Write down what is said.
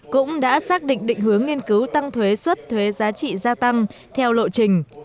cũng đã xác định định hướng nghiên cứu tăng thuế xuất thuế giá trị gia tăng theo lộ trình